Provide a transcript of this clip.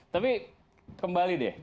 tapi kembali deh